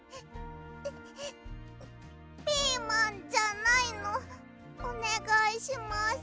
ピーマンじゃないのおねがいします。